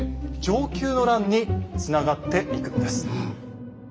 承久の乱につながっていくのです。